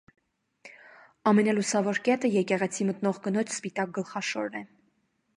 Ամենալուսավոր կետը եկեղեցի մտնող կնոջ սպիտակ գլխաշորն է։